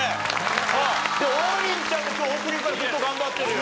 王林ちゃんも今日オープニングからずっと頑張ってるよ。